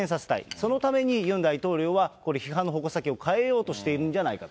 そのために、ユン大統領はこれ、批判の矛先を変えようとしているんじゃないかと。